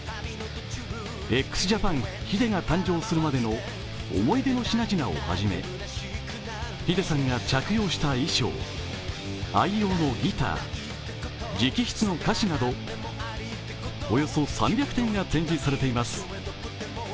ＸＪＡＰＡＮ、ＨＩＤＥが誕生するまでの思い出の品々をはじめｈｉｄｅさんが着用した衣装愛用のギター直筆の歌詞など、およそ３００点が展示されています。